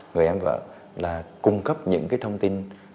người em vợ là cung cấp những cái thông tin